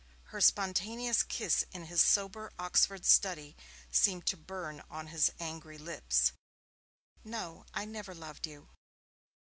Her spontaneous kiss in his sober Oxford study seemed to burn on his angry lips. 'No, I never loved you.'